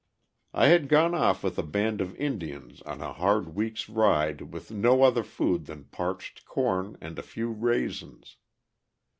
I had gone off with a band of Indians on a hard week's ride with no other food than parched corn and a few raisins.